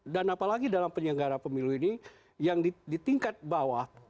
dan apalagi dalam penyelenggara pemilu ini yang di tingkat bawah